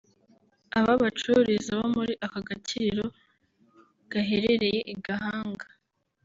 Aba bacururiza bo muri aka gakiriro gaherereye i Gahanga